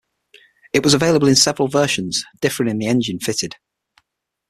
It was available in several versions, differing in the engine fitted.